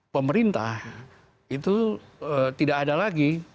pemerintah itu tidak ada lagi